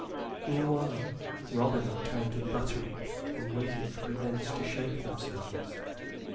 Meanwhile, Robin returned to the buttery, and waited for events to shape themselves.